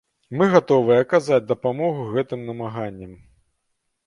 Мы гатовыя аказаць дапамогу гэтым намаганням.